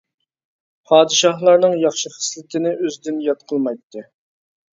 پادىشاھلارنىڭ ياخشى خىسلىتىنى ئۆزىدىن يات قىلمايتتى.